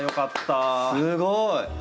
すごい！